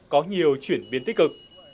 có nhiều chuyển biến tích cực